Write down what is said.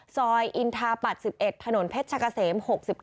ซอยอินทาปัตย์๑๑ถนนเพชรกะเสม๖๙